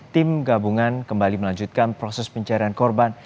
tim gabungan kembali melanjutkan proses pencarian korban